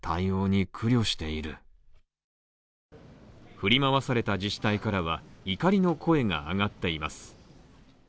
振り回された自治体からは怒りの声が上がっています。